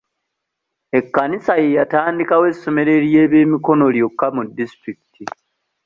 Ekkanisa ye yatandikawo essomero ery'ebyemikono lyokka mu disitulikiti.